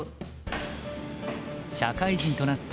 社会人となった